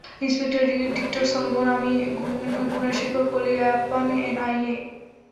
Inspector Victor Solomon, আমি Gunasekara Koliappan, NIA.